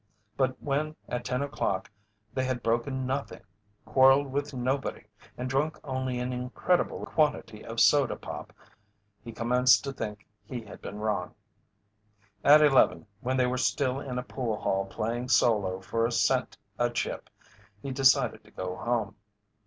But when at ten o'clock they had broken nothing, quarrelled with nobody, and drunk only an incredible quantity of soda pop, he commenced to think he had been wrong. At eleven, when they were still in a pool hall playing "solo" for a cent a chip, he decided to go home.